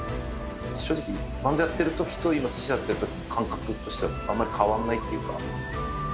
正直バンドやってる時と今鮨やってる時の感覚としてはあんまり変わんないっていうか。